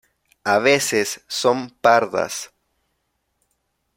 A veces son pardas.